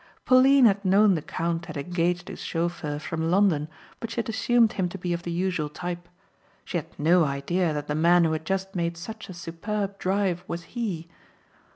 Pauline had known the count had engaged a chauffeur from London but she assumed him to be of the usual type. She had no idea that the man who had just made such a superb drive was he.